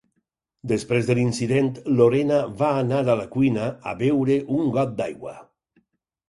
Després de l'incident, Lorena va anar a la cuina a beure un got d'aigua.